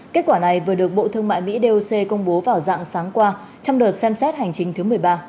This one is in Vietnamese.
kết quả này vừa được bộ thương mại mỹ doc công bố vào dạng sáng qua trong đợt xem xét hành trình thứ một mươi ba